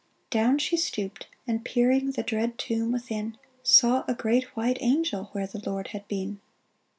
Down she stooped, and peering The dread tomb within, Saw a great white angel Where the Lord had been